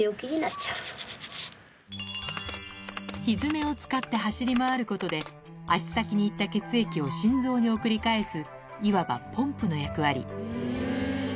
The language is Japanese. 蹄を使って走り回ることで足先に行った血液を心臓に送り返すいわばポンプの役割